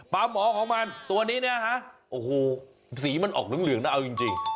ปลาหมอของมันตัวนี้สีมันออกเหลืองนะเอาจริง